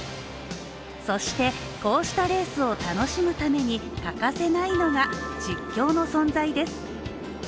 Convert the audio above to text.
そして、こうしたレースを楽しむために欠かせないのが実況の存在です。